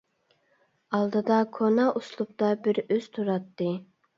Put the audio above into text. ئالدىدا كونا ئۇسلۇبتا بىر ئۆز تۇراتتى.